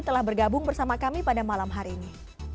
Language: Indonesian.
telah bergabung bersama kami pada malam hari ini